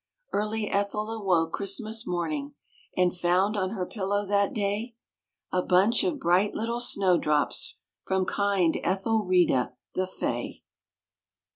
Early Ethel awoke Christmas morning, And found on her pillow that day A bunch of bright little snow drops, From kind Ethelreda, the Fay!